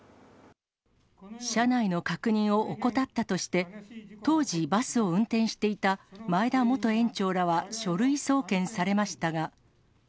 車内の確認を怠ったとして、当時バスを運転していた増田元園長らは書類送検されましたが。